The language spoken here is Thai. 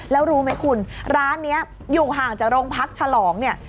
แล้วรู้ไหมคุณร้านนี้อยู่ห่างจากโรงพักฉลองเนี่ย